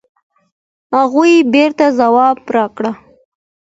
هغوی بېرته ځواب راکړ.